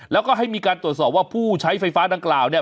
แล้วก็ให้มีการตรวจสอบว่าผู้ใช้ไฟฟ้าดังกล่าวเนี่ย